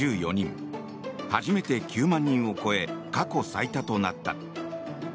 初めて９万人を超え過去最多となった。